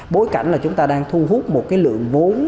bối cảnh là chúng ta đang thu hút một cái lượng vốn